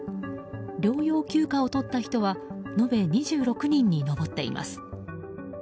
療養休暇をとった人は延べ２６人に上っています。